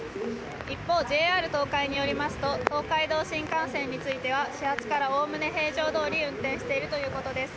一方、ＪＲ東海によりますと、東海道新幹線については始発からおおむね平常どおり運転しているということです。